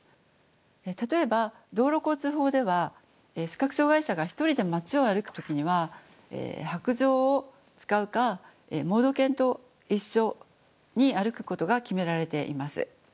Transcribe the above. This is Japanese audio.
例えば道路交通法では視覚障害者が一人で街を歩く時には白杖を使うか盲導犬と一緒に歩くことが決められています。